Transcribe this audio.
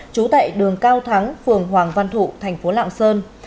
trú tại đường cao thắng phường hoàng văn thụ tp lạng sơn